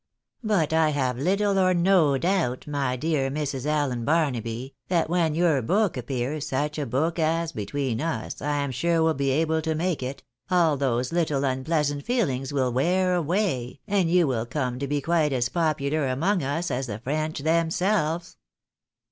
But I have little or no doubt, my dear Mrs. Allen Bar naby, that when your book appears, such a book as, between us, I am sure we shall be able to make it, all those Httle unpleasant feehngs wiU wear away, and you will come to be quite as popular among us as the French themselves."